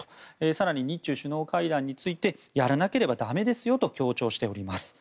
更に日中首脳会談についてやらなければだめですよと強調しております。